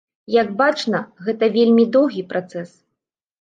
Як бачна, гэта вельмі доўгі працэс.